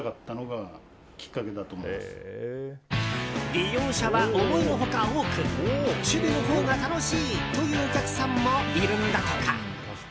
利用者は思いのほか多く守備のほうが楽しいというお客さんもいるんだとか。